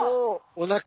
おなか。